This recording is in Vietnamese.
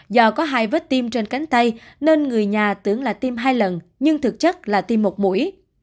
do có hai vết tim trên cánh tay nên người nhà tưởng là tiêm hai lần nhưng thực chất là tim một mũi